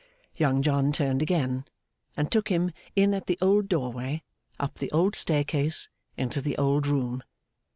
Young John turned again, and took him in at the old doorway, up the old staircase, into the old room.